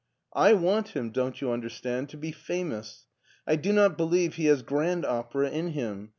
" I want him, don't you understand, to be famous. I do not believe he has grand opera in him.